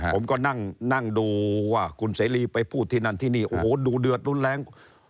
ผมก็นั่งดูว่าคุณเสรีไปพูดที่นั่นที่นี่โอ้โหดูเดือดรุนแรง